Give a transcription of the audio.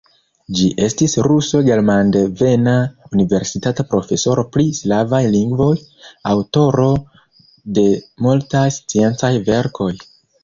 Li estis ruso germandevena, universitata profesoro pri slavaj lingvoj, aŭtoro de multaj sciencaj verkoj.